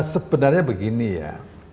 sebenarnya begini ya